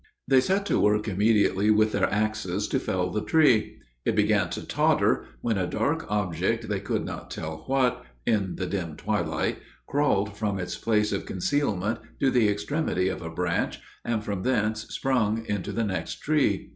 They set to work immediately with their axes to fell the tree. It began to totter, when a dark object, they could not tell what, in the dim twilight, crawled from its place of concealment to the extremity of a branch, and from thence sprung into the next tree.